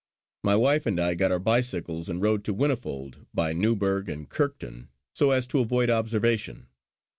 My wife and I got our bicycles and rode to Whinnyfold by Newburgh and Kirkton so as to avoid observation.